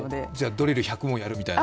ドリル１００問やるみたいな？